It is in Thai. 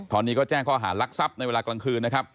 ตอนนี้ก็แจ้งข้อหารักทรัพย์ในเวลากลางคืนนะครับ